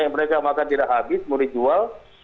mereka makan tidak habis mulai jual